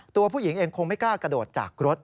ตัวผู้หญิงเองคงไม่กล้ากระโดดจากรถ